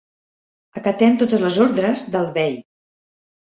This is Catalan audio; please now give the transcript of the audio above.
Acatem totes les ordres del bei.